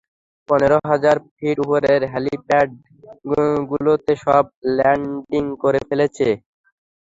পনের হাজার ফিট উপরের হ্যাঁলিপ্যাড গুলোতে সব ল্যানডিং করে ফেলেছে।